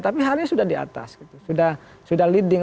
tapi hari ini sudah di atas sudah leading